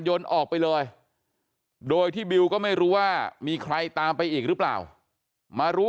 ยนต์ออกไปเลยโดยที่บิวก็ไม่รู้ว่ามีใครตามไปอีกหรือเปล่ามารู้